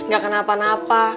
gak kena apa apa